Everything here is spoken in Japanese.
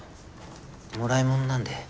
もらいものなんで。